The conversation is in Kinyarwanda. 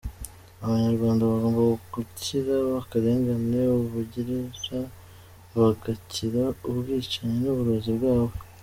Abanyarwanda bagomba gukira akarengane ubagirira, bagakira ubwicanyi n’uburozi bwawe.